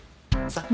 さあ。